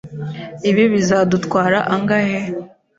Ibi bizadutwara angahe?